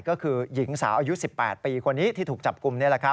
ก็คือหญิงสาวอายุ๑๘ปีคนนี้ที่ถูกจับกลุ่ม